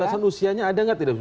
alasan usianya ada nggak tidak